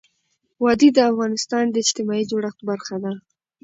وادي د افغانستان د اجتماعي جوړښت برخه ده.